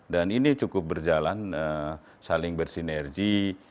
dan ini cukup berjalan saling bersinergi